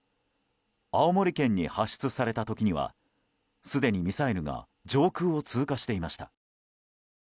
青森県に発出された時にはすでにミサイルが上空を通過していました。